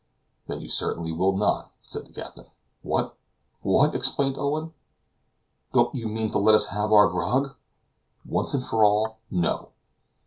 "Then you certainly will not," said the captain. "What! what!" exclaimed Owen, "don't you mean to let us have our grog?" "Once and for all, no."